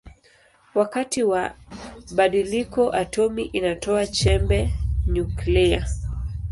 Wakati wa badiliko atomi inatoa chembe nyuklia.